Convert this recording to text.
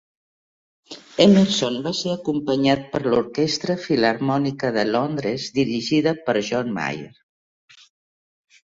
Emerson va ser acompanyat per l'Orquestra Filharmònica de Londres, dirigida per John Mayer.